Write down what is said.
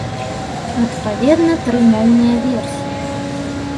Адпаведна тры моўныя версіі.